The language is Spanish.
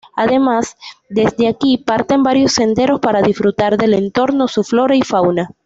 Además, desde aquí parten varios senderos para disfrutar del entorno, su flora y fauna.